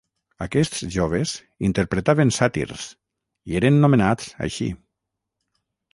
Aquests joves interpretaven sàtirs i eren nomenats així.